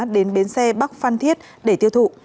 đến bến xe bắc phan thiết để tiêu thụ